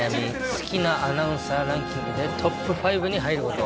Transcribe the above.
好きなアナウンサーランキングでトップ５に入ること。